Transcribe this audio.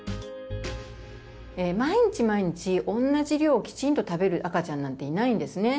毎日毎日同じ量をきちんと食べる赤ちゃんなんていないんですね。